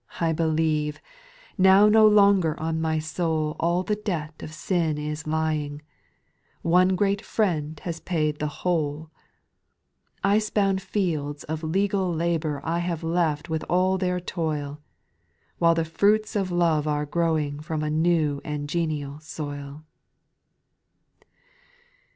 I believe I Now no longer on my soul All the debt of sin is lying, — One great Friend has paid the whole I Icebound fields of legal labour I have left with all their toil; While the fruits of love are growing From a new and genial soil.